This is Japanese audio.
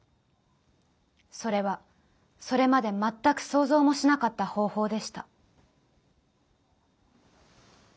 それはそれまで全く想像もしなかった方法でした。